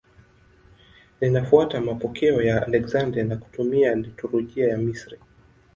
Linafuata mapokeo ya Aleksandria na kutumia liturujia ya Misri.